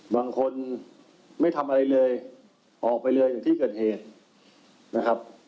บางคนไม่ทำอะไรเลยออกไปเลยอย่างที่เกิดเหตุนะครับ